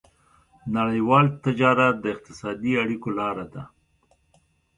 نړيوال تجارت د اقتصادي اړیکو لاره ده.